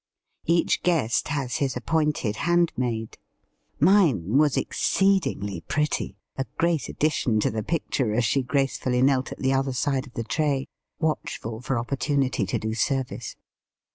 Each guest has his appointed handmaid. Digitized by VjOOQIC 14 EAST BY WEST, Mine was exceedingly pretty, a great addition to the picture as she gracefully knelt at the other side of the tray, watchful for oppor tunity to do service.